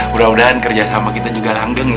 mudah mudahan kerja sama kita juga langgeng ya